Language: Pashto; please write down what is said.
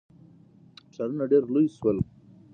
ښارونه ډیر لوی سول.